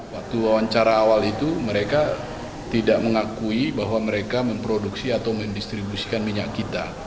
waktu wawancara awal itu mereka tidak mengakui bahwa mereka memproduksi atau mendistribusikan minyak kita